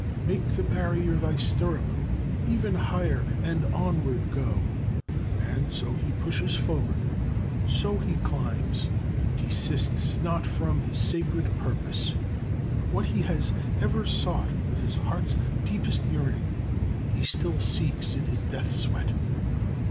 'Make the barrier thy stirrup! Ever higher and onward go!' And so he pushes forward, so he climbs, desists not from his sacred purpose. What he has ever sought with his heart's deepest yearning, he still seeks in his death sweat.